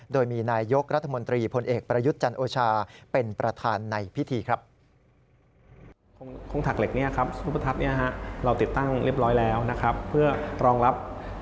โดยมีนายยกรัฐมนตรีพลเอกประยุทธ์จันโอชาเป็นประธานในพิธีครับ